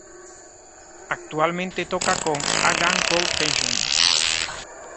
Actualmente toca con A Gun Called Tension.